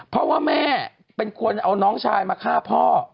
เพราะว่าแม่เป็นคนเอาน้องชายมาฆ่าพ่อ